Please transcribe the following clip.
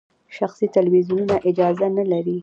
شخصي تلویزیونونه اجازه نلري.